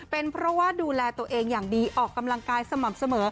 เป็นเพราะว่าดูแลตัวเองอย่างดีออกกำลังกายสม่ำเสมอ